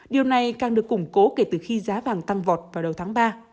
điều này càng được củng cố kể từ khi giá vàng tăng vọt vào đầu tháng ba